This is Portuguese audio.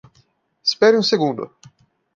Espere um segundo.